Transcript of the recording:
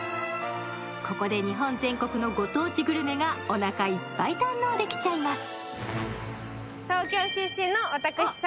ここで日本全国のご当地グルメがおなかいっぱい堪能できちゃいます。